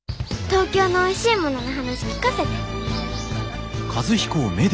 東京のおいしいものの話聞かせて。